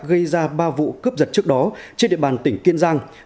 gây ra ba vụ cướp giật trước đó trên địa bàn tỉnh kiên giang